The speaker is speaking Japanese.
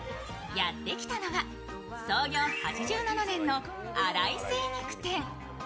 やってきたのは、創業８７年のアライ精肉店。